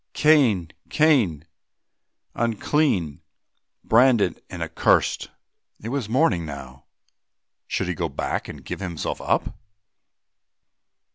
Cain! Cain! unclean, branded and accurst!" It was morning now, should he go back and give himself up?